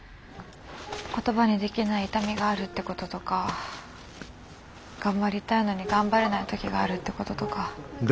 言葉にできない痛みがあるってこととか頑張りたいのに頑張れない時があるってこととか。